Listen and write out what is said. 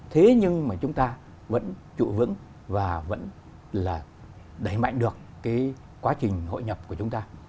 thế nhưng mà chúng ta vẫn trụ vững và vẫn là đẩy mạnh được cái quá trình hội nhập của chúng ta